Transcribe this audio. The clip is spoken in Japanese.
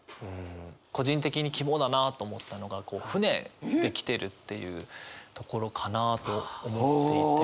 個人的に肝だなと思ったのが船で来てるっていうところかなと思っていて。